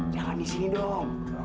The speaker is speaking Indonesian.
jalan di sini dong